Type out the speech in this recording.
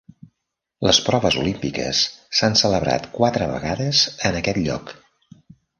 Les proves olímpiques s'han celebrat quatre vegades en aquest lloc.